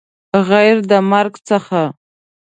غیر د مرګ څخه